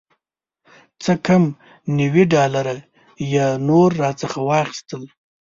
څه کم نوي ډالره یې نور راڅخه واخیستل.